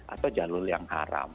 atau jalur yang haram